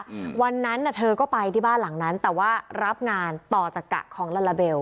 อืมวันนั้นน่ะเธอก็ไปที่บ้านหลังนั้นแต่ว่ารับงานต่อจากกะของลาลาเบล